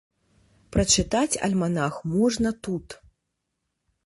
Прачытаць альманах можна тут.